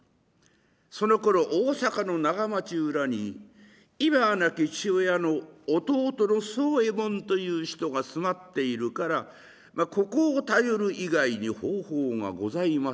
そのころ大坂の長町裏に今は亡き父親の弟の宗右衛門という人が住まっているからここを頼る以外に方法がございません。